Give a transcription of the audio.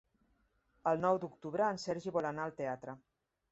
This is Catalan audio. El nou d'octubre en Sergi vol anar al teatre.